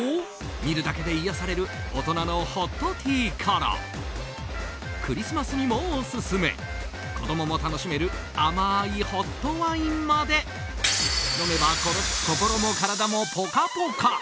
見るだけで癒やされる大人のホットティーからクリスマスにもオススメ子供も楽しめる甘いホットワインまで飲めば心も体もぽかぽか！